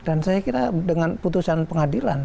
dan saya kira dengan putusan pengadilan